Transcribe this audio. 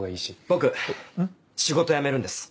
僕仕事辞めるんです。